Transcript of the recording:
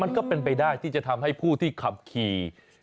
ก็เป็นไปได้ที่จะทำให้ผู้ที่ขับขี่